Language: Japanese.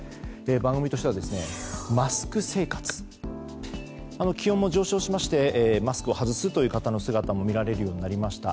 番組としてはマスク生活、気温も上昇しましてマスクを外す方の姿も見られるようになりました。